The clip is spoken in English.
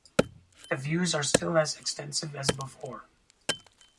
The views are still as extensive as before.